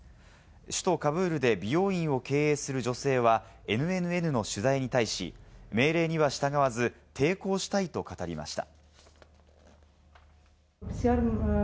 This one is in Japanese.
首都カブールで美容院を経営する女性はＮＮＮの取材に対し、命令には従わず抵抗したいと語りました。